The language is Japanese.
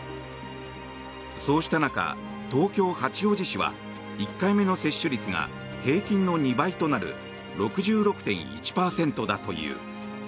そうした中、東京・八王子市は１回目の接種率が平均の２倍となる６６．１％だという。